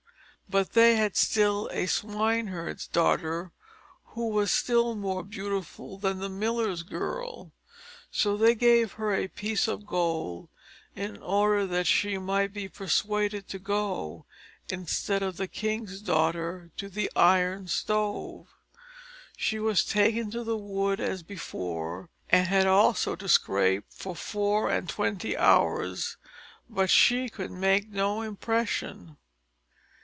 But they had still a swineherd's daughter, who was still more beautiful than the miller's girl; so they gave her a piece of gold, in order that she might be persuaded to go, instead of the king's daughter, to the Iron Stove. She was taken to the wood as before, and had also to scrape for four and twenty hours; but she could make no impression.